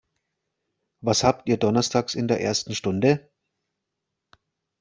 Was habt ihr donnerstags in der ersten Stunde?